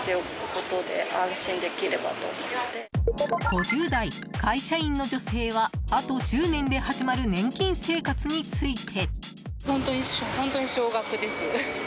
５０代、会社員の女性はあと１０年で始まる年金生活について。